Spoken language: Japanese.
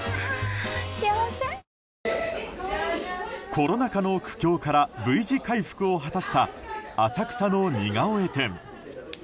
コロナ禍の苦境からＶ字回復を果たした浅草の似顔絵店。